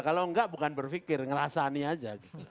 kalau enggak bukan berpikir ngerasani saja